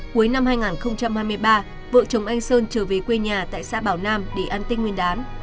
cuối năm hai nghìn hai mươi ba vợ chồng anh sơn trở về quê nhà tại xã bảo nam để ăn tinh nguyên đán